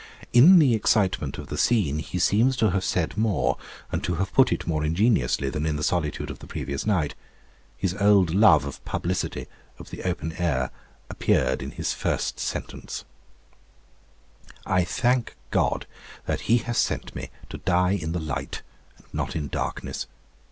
In the excitement of the scene, he seems to have said more, and to have put it more ingeniously, than in the solitude of the previous night. His old love of publicity, of the open air, appeared in the first sentence: I thank God that He has sent me to die in the light, and not in darkness.